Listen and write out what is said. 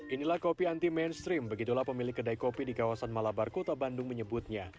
inilah kopi anti mainstream begitulah pemilik kedai kopi di kawasan malabar kota bandung menyebutnya